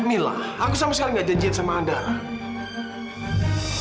mila aku sama sekali gak janjian sama anda